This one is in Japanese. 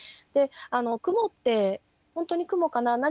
で雲って「本当に雲かな？